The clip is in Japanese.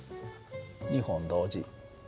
２本同時。